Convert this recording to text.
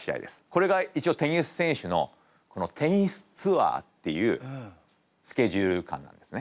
これが一応テニス選手のこのテニスツアーっていうスケジュール感なんですね。